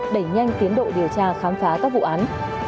đẩy nhanh tiến độ điều tra khám phá các vụ án